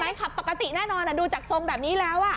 ขับปกติแน่นอนดูจากทรงแบบนี้แล้ว